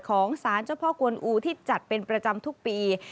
ของสารเจ้าพ่อกวนอูที่จัดเป็นประจำทุกปี